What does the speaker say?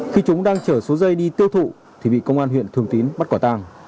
khi chúng đang chở số dây đi tiêu thụ thì bị công an huyện thường tín bắt quả tàng